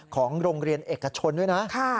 ของโรงเรียนเอกชนด้วยนะ